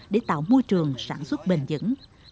để tạo môi trường sản xuất bình dẫn